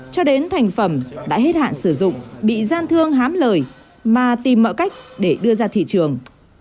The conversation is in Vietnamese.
cho đến thành phẩm đã hết hạn sử dụng bị gian thương hám lời mà tìm mọi cách để đưa ra thị trường